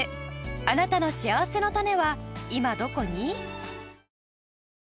あなたのしあわせのたねは今どこに？